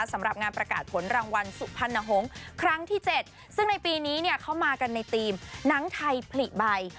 สำหรับงานประกาศผลรางวัลสุภัณฑงครั้งที่เจ็ดซึ่งในปีนี้เนี้ยเข้ามากันในทีมน้ำไทยผลิบัย